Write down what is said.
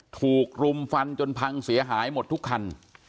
ถูกรุมฟันจนพังเสียหายหมดทุกคัน